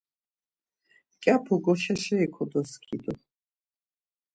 Mǩyapu goşaşeri kodoskidu.